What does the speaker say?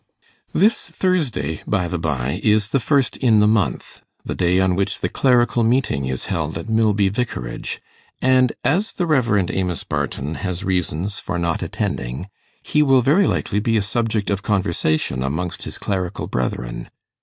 This Thursday, by the by, is the first in the month the day on which the Clerical Meeting is held at Milby Vicarage; and as the Rev. Amos Barton has reasons for not attending, he will very likely be a subject of conversation amongst his clerical brethren.